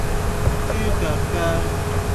豬腳薑